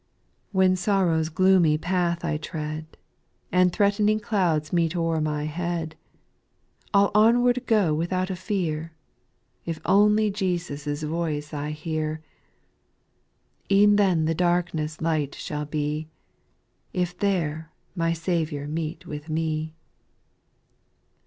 5. When sorrow's gloomy path I tread. And threatening clouds meet o'er my head, I'll onward go without a fear. If only Jesus' voice I hear : E'en then the darkness light shall be. If there my Saviour meet with me.